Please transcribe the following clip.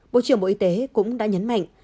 bộ trưởng bộ y tế cũng đã nhấn mạnh